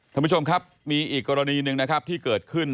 คุณผู้ชมครับมีอีกกรณีหนึ่งที่เกิดขึ้น